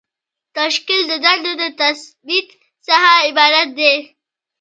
تشکیل د دندو د تثبیت څخه عبارت دی.